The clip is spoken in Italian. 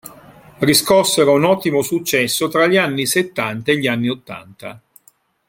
Riscossero un ottimo successo tra gli anni settanta e gli anni ottanta.